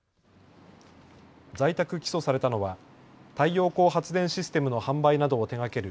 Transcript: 在宅起訴されたのは太陽光発電システムの販売などを手がける